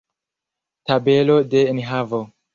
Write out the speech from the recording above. Tabelo de enhavo.